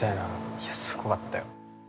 ◆いや、すごかったよ。